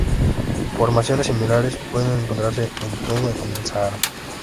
Formaciones similares pueden encontrarse en todo el Sáhara.